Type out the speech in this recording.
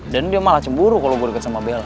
dan dia malah cemburu kalo gue deket sama bella